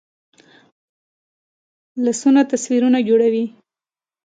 لاسونه تصویرونه جوړوي